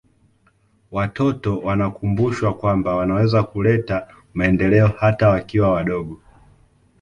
watoto wanakumbushwa kwamba wanaweza kuleta maendeleo hata wakiwa wadogo